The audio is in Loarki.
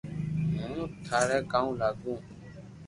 ھون ٿاريو ڪاوُ لاگو